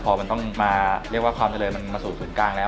พอมันต้องมาเรียกว่าความเจริญมันมาสู่ศูนย์กลางแล้ว